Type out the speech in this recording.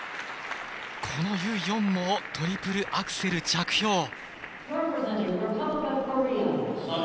このユ・ヨンもトリプルアクセル着氷。